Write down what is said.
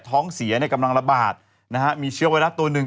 ท้องเสียกำลังระบาดมีเชื้อไวรัสตัวหนึ่ง